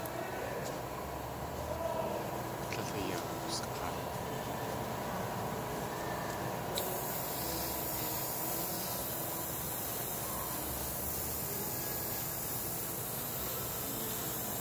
Tlél ayawusk̲á.